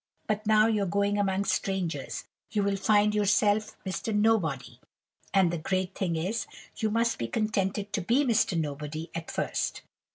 But, now you're going among strangers, you will find yourself Mr. Nobody, and the great thing is, you must be contented to be Mr. Nobody at first.